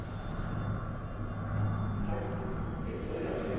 はいそれではですね